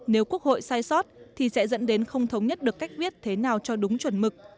nếu quốc hội sai sót thì sẽ dẫn đến không thống nhất được cách viết thế nào cho đúng chuẩn mực